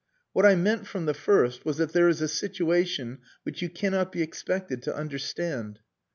What I meant from the first was that there is a situation which you cannot be expected to understand."